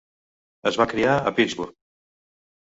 Es va criar a Pittsburgh.